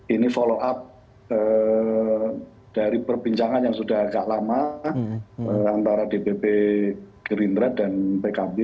ini follow up dari perbincangan yang sudah agak lama antara dpp gerindra dan pkb